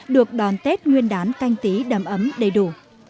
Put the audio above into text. được đón tết nguyên đán canh tí đầm ấm đầy đủ